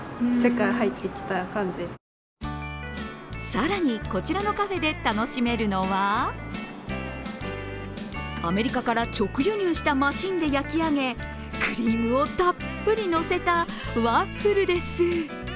更にこちらのカフェで楽しめるのはアメリカから直輸入したマシンで焼き上げ、クリームをたっぷりのせたワッフルです。